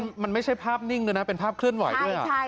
มันไม่ใช่ภาพนิ่งด้วยนะเป็นภาพเคลื่อนไหวด้วย